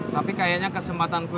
tapi kayaknya kesempatan gue